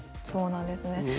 そうなんですね。